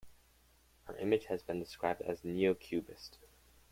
Her image has been described as "neo-cubist".